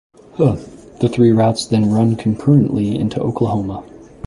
The three routes then run concurrently into Oklahoma.